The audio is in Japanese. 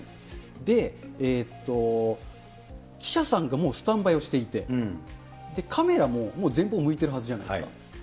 で、えっと、記者さんがもうスタンバイをしていて、カメラももう前方を向いているはずじゃないですか。